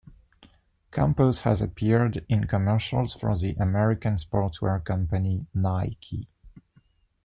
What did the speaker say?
Campos has appeared in commercials for the American sportswear company Nike.